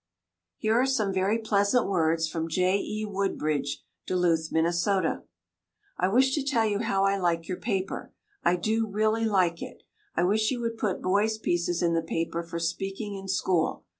Here are some very pleasant words from J. E. Woodbridge, Duluth, Minnesota: I wish to tell you how I like your paper. I do really like it. I wish you would put boys' pieces in the paper for speaking in school.